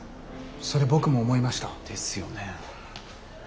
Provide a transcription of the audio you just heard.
それ僕も思いました。ですよね。